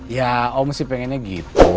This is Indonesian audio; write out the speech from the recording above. ya om sih pengennya gitu